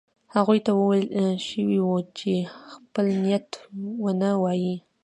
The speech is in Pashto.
هغوی ته ویل شوي وو چې خپل نیت ونه وايي.